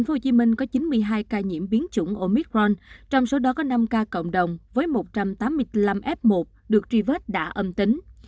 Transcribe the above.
tp hcm có chín mươi hai ca nhiễm biến chủng omicron trong số đó có năm ca cộng đồng với một trăm tám mươi năm f một được truy vết đã âm tính